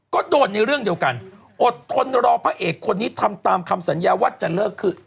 ก็โดนในเรื่องเดียวกันอดทนรอพระเอกคนนี้ทำตามคำสัญญาว่าจะเลิกคือ